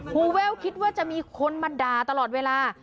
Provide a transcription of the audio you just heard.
แว่วคิดว่าจะมีคนมาด่าตลอดเวลา